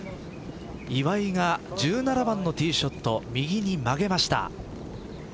岩井が１７番のティーショット右に曲げました。